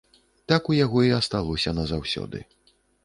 Так у яго і асталося назаўсёды.